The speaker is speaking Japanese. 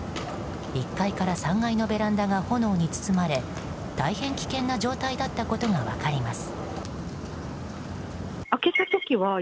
１階から３階のベランダが炎に包まれ大変危険な状態だったことが分かります。